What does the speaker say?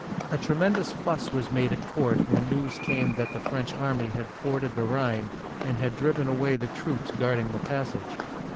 A tremendous fuss was made at court when news came that the French army had forded the Rhine and had driven away the troops guarding the passage.